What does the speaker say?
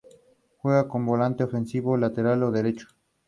Fue ascendido a general por orden del presidente Domingo Faustino Sarmiento.